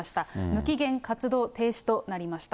無期限活動停止となりました。